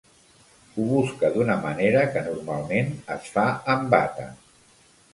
Ho busca d'una manera que normalment es fa amb bata.